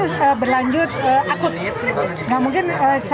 ya jadi itu biasanya adalah karena telah makan gitu ya